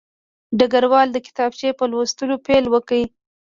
ډګروال د کتابچې په لوستلو پیل وکړ